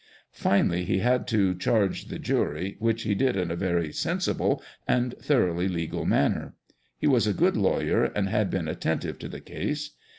Finally he had to charge the jury, which he did in a very sensible and thoroughly legal manner. He was a good lawyer and had been attentive to the case.